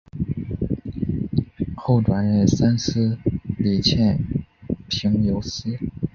后转任三司理欠凭由司。